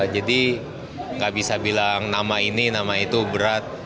jadi gak bisa bilang nama ini nama itu berat